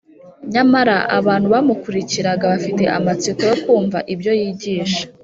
. Nyamara abantu bamukurikiraga bafite amatsiko yo kumva ibyo yigisha.